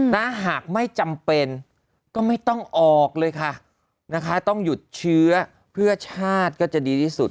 ถ้าหากไม่จำเป็นก็ไม่ต้องออกเลยค่ะนะคะต้องหยุดเชื้อเพื่อชาติก็จะดีที่สุด